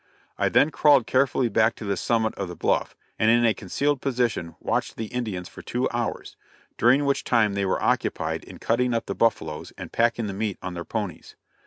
I then crawled carefully back to the summit of the bluff, and in a concealed position watched the Indians for two hours, during which time they were occupied in cutting up the buffaloes and packing the meat on their ponies.